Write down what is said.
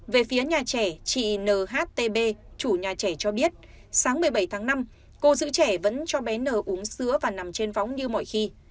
về phía nhà trẻ chị n h t b chủ nhà trẻ cho biết sáng một mươi bảy tháng năm cô giữ trẻ vẫn cho bé n uống sữa và nằm trên phóng như mọi khi